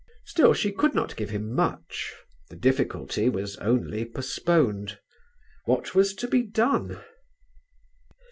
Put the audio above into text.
Still she could not give him much; the difficulty was only postponed; what was to be done?